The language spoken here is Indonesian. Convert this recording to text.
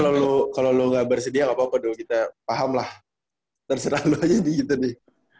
tapi kalau lu gak bersedia gak apa apa dong kita paham lah terserah lu aja nih gitu nih